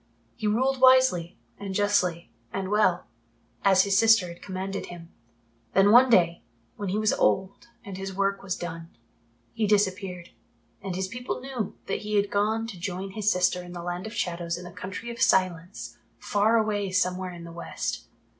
He ruled wisely and justly and well, as his sister had commanded him. Then one day, when he was old and his work was done, he disappeared, and his people knew that he had gone to join his sister in the Land of Shadows in the Country of Silence far away somewhere in the West.